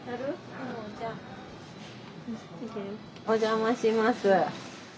お邪魔します。